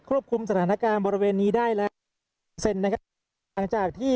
คุมสถานการณ์บริเวณนี้ได้แล้วเซนนะครับหลังจากที่